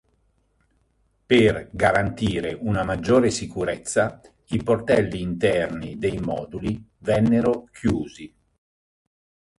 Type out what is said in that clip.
Per garantire una maggiore sicurezza i portelli interni dei moduli vennero chiusi.